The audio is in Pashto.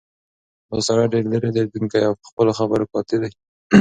دا سړی ډېر لیرې لیدونکی او په خپلو خبرو کې قاطع و.